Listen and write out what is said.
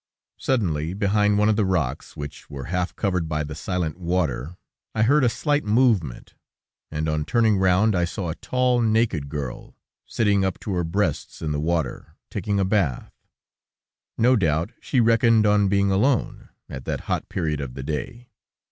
Suddenly, behind one of the rocks, which were half covered by the silent water, I heard a slight movement, and on turning round, I saw a tall, naked girl, sitting up to her breasts in the water, taking a bath; no doubt she reckoned on being alone, at that hot period of the day.